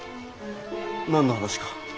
何の話か？